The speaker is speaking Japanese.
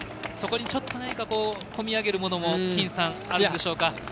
そこにちょっと何か込み上げるものもあるでしょうか。